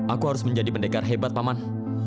aku harus menjadi pendekar hebat paman